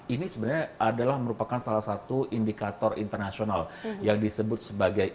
ini sebenarnya adalah merupakan salah satu indikator internasional yang disebut sebagai